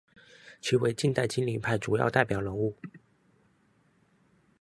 其为近代金陵派主要代表人物。